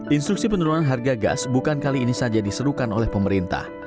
instruksi penurunan harga gas bukan kali ini saja diserukan oleh pemerintah